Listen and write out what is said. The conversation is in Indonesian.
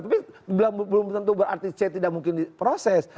tapi belum tentu berarti c tidak mungkin diproses